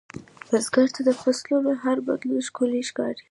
بزګر ته د فصلونـو هر بدلون ښکلی ښکاري